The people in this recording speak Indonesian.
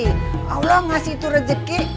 kalau lo ngasih itu rejeki